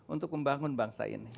untuk membangun bangsa ini